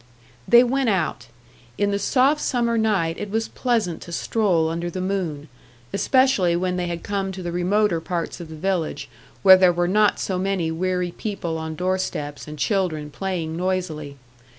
They went out. In the soft summer night it was pleasant to stroll under the moon especially when they had come to the remoter parts of the village, where there were not so many weary people on door steps and children playing noisily.